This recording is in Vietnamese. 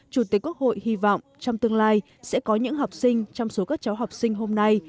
chủ tịch quốc hội hy vọng trong tương lai sẽ có những học sinh trong số các cháu học sinh hôm nay